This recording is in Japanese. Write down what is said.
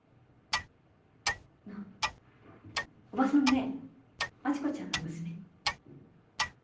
あっおばさんね真知子ちゃんの娘。